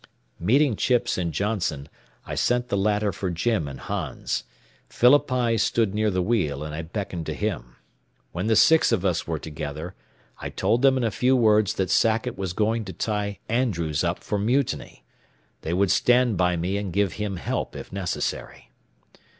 Meeting Chips and Johnson, I sent the latter for Jim and Hans. Phillippi stood near the wheel, and I beckoned to him. When the six of us were together, I told them in a few words that Sackett was going to tie Andrews up for mutiny. They would stand by me and give him help if necessary.